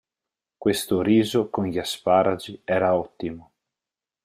Questo riso con gli asparagi era ottimo